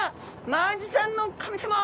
マアジちゃんの神様！